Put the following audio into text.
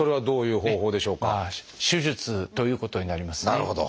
なるほど。